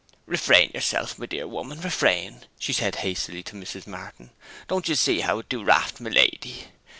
'Refrain yourself, my dear woman, refrain!' she said hastily to Mrs. Martin; 'don't ye see how it do raft my lady?'